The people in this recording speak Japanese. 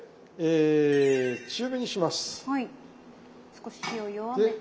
少し火を弱めて。